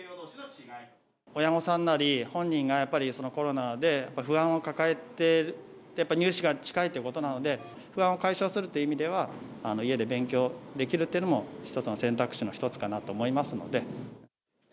親御さんなり、本人がやっぱり、コロナで不安を抱えて、入試が近いということなので、不安を解消するという意味では、家で勉強できるというのも、一つの選択肢の一つかなと思いますので。